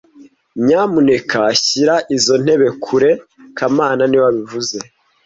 Nyamuneka shyira izo ntebe kure kamana niwe wabivuze